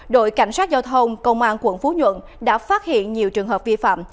đội cảnh sát giao thông công an quận phú nhuận đã phát hiện nhiều trường hợp vi phạm